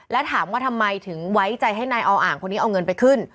แล้วถามว่าทำไมถึงไว้ใจให้นายออ่างคนนี้เอาเงินไปขึ้น